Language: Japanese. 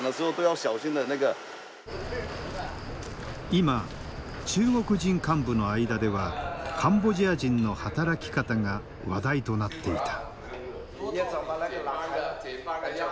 今中国人幹部の間ではカンボジア人の働き方が話題となっていた。